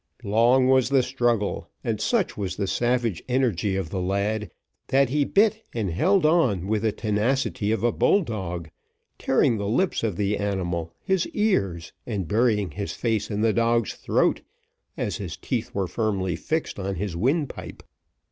Long was the struggle, and such was the savage energy of the lad, that he bit and held on with the tenacity of a bull dog, tearing the lips of the animal, his ears, and burying his face in the dog's throat, as his teeth were firmly fixed on his windpipe.